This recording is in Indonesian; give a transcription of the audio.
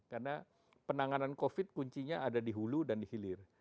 karena penanganan covid kuncinya ada di hulu dan di hilir